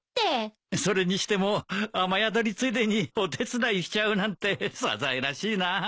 それにしても雨宿りついでにお手伝いしちゃうなんてサザエらしいなあ。